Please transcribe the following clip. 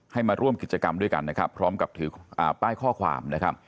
ให้มาร่วมกิจกรรมด้วยกันพร้อมกับป้ายข้อความ